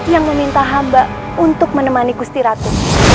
yang meminta hamba untuk menemani gusti ratu